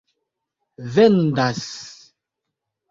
vendas